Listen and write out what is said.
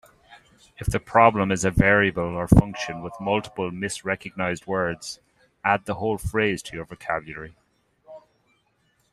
If the problem is a variable or function with multiple misrecognized words, add the whole phrase to your vocabulary.